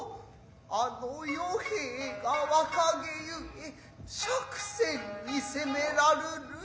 あの与兵衛が若気ゆえ借銭に責めらるる。